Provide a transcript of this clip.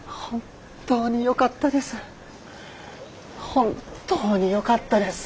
本当によかったです。